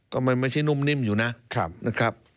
ก็ไม่ใช่นุ่มนิ่มอยู่นะ